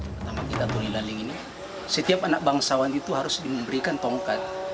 pertama kita turun di laling ini setiap anak bangsawan itu harus diberikan tongkat